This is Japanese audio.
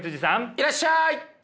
いらっしゃい。